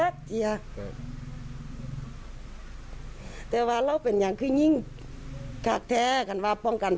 ด้วยสร้างเกี่ยวพวกมัน